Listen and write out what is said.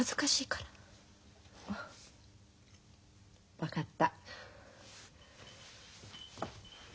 分かった。